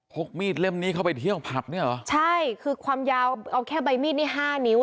กมีดเล่มนี้เข้าไปเที่ยวผับเนี่ยเหรอใช่คือความยาวเอาแค่ใบมีดนี่ห้านิ้ว